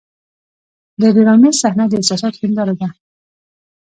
د ډرامې صحنه د احساساتو هنداره ده.